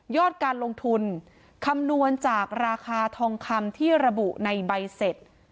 การลงทุนคำนวณจากราคาทองคำที่ระบุในใบเสร็จ